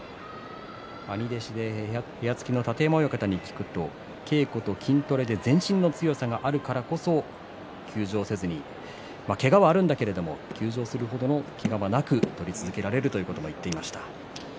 兄弟子で部屋付きの楯山親方に聞くと稽古と筋トレで全身の強さがあるからこそ休場はせずにけがはあるんだけど休場をする程のけがはなく取り続けられるということも言っていました。